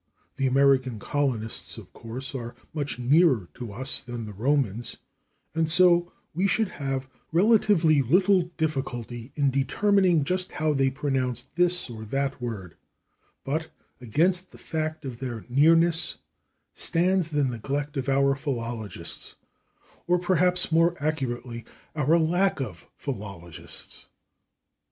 The American colonists, of course, are much nearer to us than the Romans, and so we should have relatively little difficulty in determining just how they pronounced this or that word, but against the fact of their nearness stands the neglect of our philologists, or, perhaps more accurately, our lack of philologists.